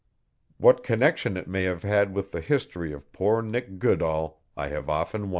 what connection it may have had with the history of poor Nick Goodall [*1] I have often wondered.